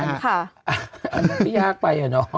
อือเออขี้ยากไปอ่ะน้อง